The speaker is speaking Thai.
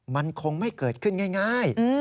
มันคงไม่เกิดขึ้นง่าย